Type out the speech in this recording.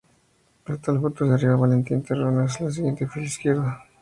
En tal foto se ve arriba, Valentín Terrones, en la siguiente fila izq.